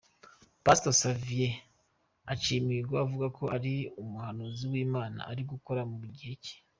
Pastor Xavier Uciyimihigo avuga ko ari umuhanuzi w'Imana uri gukora mu gihe cye.